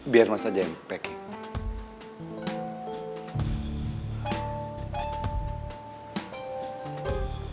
biar mas aja yang packing